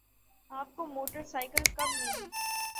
آپ کو motorcycle کب ملی؟